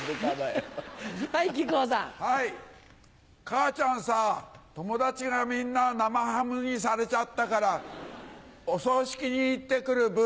母ちゃんさ友達がみんな生ハムにされちゃったからお葬式に行って来るブ。